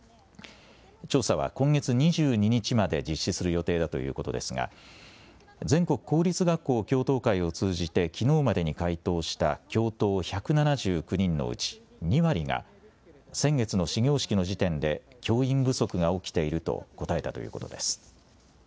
調査は今月２２日まで実施する予定だということですが全国公立学校教頭会を通じてきのうまでに回答した教頭１７９人のうち２割が先月の始業式の時点で教員不足が起きていると答えたということです。